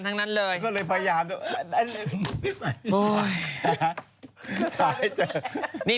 อ่าเร็ว